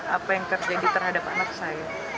apa yang terjadi terhadap anak saya